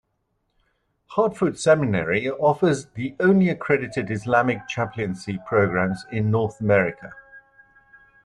Hartford Seminary offers the only accredited Islamic chaplaincy programs in North America.